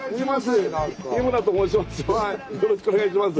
よろしくお願いします。